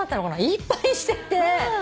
いっぱいしてて。